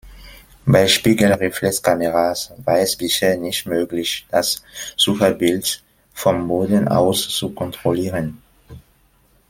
Bei Spiegelreflexkameras war es bisher nicht möglich, das Sucherbild vom Boden aus zu kontrollieren.